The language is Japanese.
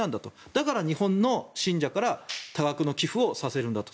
だから、日本の信者から多額の寄付をさせるんだと。